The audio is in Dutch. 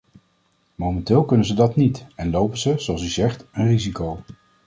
Momenteel kunnen ze dat niet, en lopen ze, zoals u zegt, een risico.